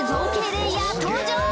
レイヤー登場